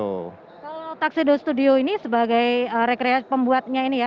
kalau tukseido studio ini sebagai pembuatnya ini ya